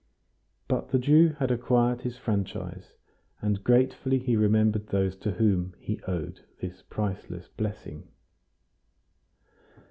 But the Jew had acquired his franchise, and gratefully he remembered those to whom he owed this priceless blessing.